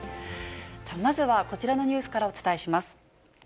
まずはこちらのニュースからお伝えします。